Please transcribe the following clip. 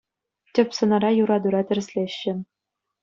Тӗп сӑнара юратура тӗрӗслеҫҫӗ...